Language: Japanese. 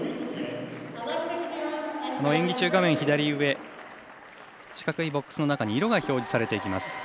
演技中、画面左上四角いボックスの中に色が表示されていきます。